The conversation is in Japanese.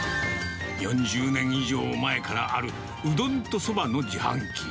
４０年以上前からある、うどんとそばの自販機。